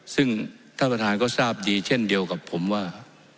ซึ่งท่านประธานก็ทราบดีเช่นเดียวกับผมว่า